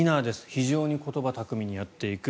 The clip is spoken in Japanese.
非常に言葉巧みにやっていく。